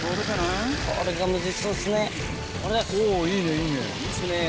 いいっすね。